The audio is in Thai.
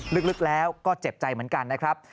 ลึกแล้วก็เจ็บใจเหมือนกันนะครับ